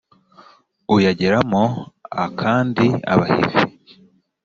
uyageramo a kandi abahivi